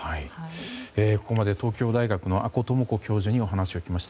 ここまで東京大学の阿古智子教授にお話を聞きました。